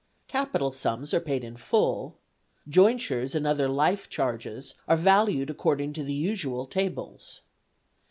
Capital sums are paid in full; jointures and other life charges are valued according to the usual tables.